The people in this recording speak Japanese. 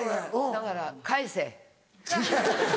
だから返せ。